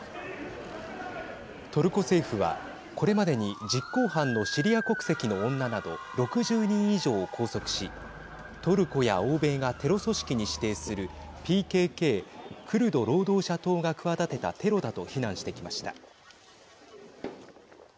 トルコ政府は、これまでに実行犯のシリア国籍の女など６０人以上を拘束しトルコや欧米がテロ組織に指定するＰＫＫ＝クルド労働者党が企てたテロだと非難してきました。